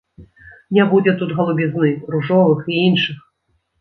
Не будзе тут галубізны, ружовых і іншых.